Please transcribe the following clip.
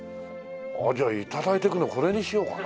じゃあ頂いていくのこれにしようかな。